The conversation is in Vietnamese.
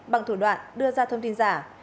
bằng thủ đoạn đưa ra thông tin giả